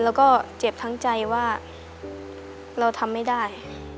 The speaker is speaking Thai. แล้วก็เจ็บทั้งใจว่าเราทำไม่ได้